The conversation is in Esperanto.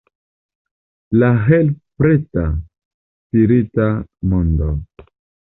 La help-preta spirita mondo.